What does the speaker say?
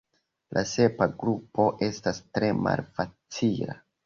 La sepa grupo estas tre malfacila.